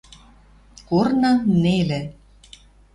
Корны нелӹ